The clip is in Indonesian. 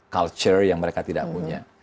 culture yang mereka tidak punya